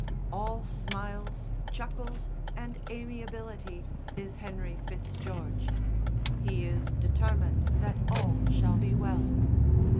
All smiles, chuckles and amiability is Henry Fitzgeorge; he is determined that all shall be well.